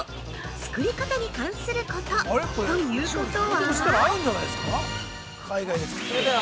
作り方に関することということは。